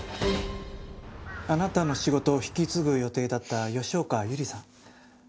あなたの仕事を引き継ぐ予定だった吉岡百合さん。